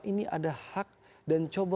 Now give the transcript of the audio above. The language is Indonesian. ini ada hak dan coba